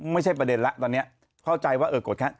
ไม่ใช่ประเด็นแล้วตอนนี้เข้าใจว่าเออโกรธแค่